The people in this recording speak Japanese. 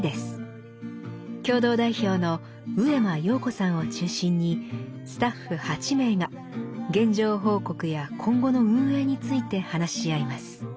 共同代表の上間陽子さんを中心にスタッフ８名が現状報告や今後の運営について話し合います。